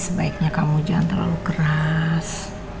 sebaiknya kamu jangan terlalu keras